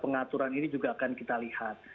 pengaturan ini juga akan kita lihat